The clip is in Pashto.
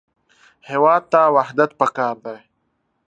هېواد ته وحدت پکار دی